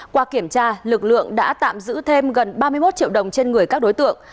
qua kiểm tra lực lượng đã tạm giữ thêm gần ba mươi một triệu đồng trên người các đối tượng